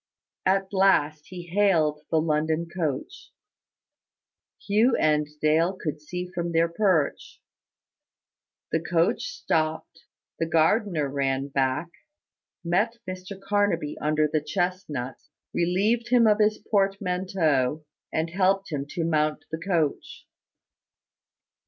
At last he hailed the London coach. Hugh and Dale could see from their perch. The coach stopped, the gardener ran back, met Mr Carnaby under the chestnuts, relieved him of his portmanteau, and helped him to mount the coach.